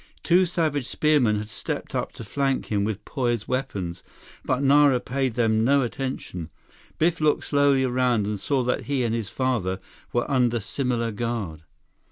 Two savage spearmen had stepped up to flank him with poised weapons, but Nara paid them no attention. Biff looked slowly around and saw that he and his father were under similar guard.